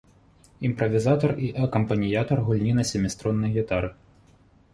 Імправізатар і акампаніятар гульні на сяміструннай гітары.